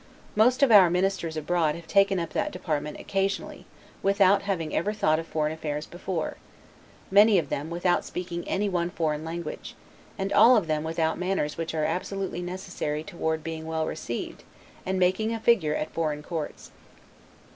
Most of our ministers abroad have taken up that department occasionally, without having ever thought of foreign affairs before; many of them, without speaking any one foreign language; and all of them without manners which are absolutely necessary toward being well received, and making a figure at foreign courts.